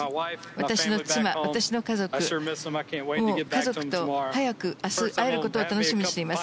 私の妻、私の家族と早く明日、会えることを楽しみにしています。